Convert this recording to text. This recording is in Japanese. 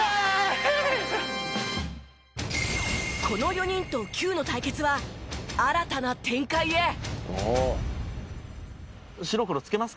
この４人とＣＵＥの対決は新たな展開へ。